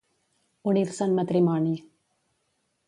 Unir-se en matrimoni.